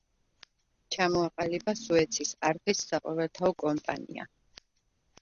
ჩამოაყალიბა სუეცის არხის საყოველთაო კომპანია.